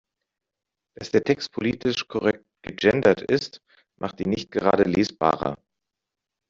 Dass der Text politisch korrekt gegendert ist, macht ihn nicht gerade lesbarer.